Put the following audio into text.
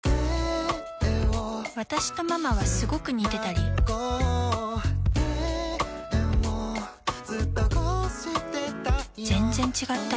私とママはスゴく似てたり全然違ったり